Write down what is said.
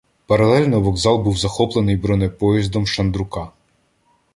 Паралельно вокзал був захоплений бронепоїздом Шандрука.